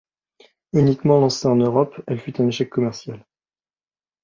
Uniquement lancée en Europe, elle fut un échec commercial.